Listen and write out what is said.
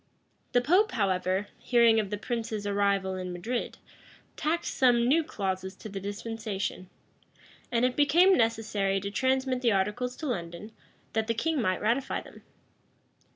The pope, however, hearing of the prince's arrival in Madrid, tacked some new clauses to the dispensation;[] and it became necessary to transmit the articles to London, that the king might ratify them.